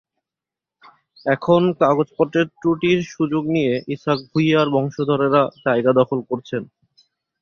এখন কাগজপত্রের ত্রুটির সুযোগ নিয়ে ইসহাক ভূঁইয়ার বংশধরেরা জায়গা দখল করছেন।